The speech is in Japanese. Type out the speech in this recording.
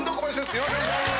よろしくお願いします！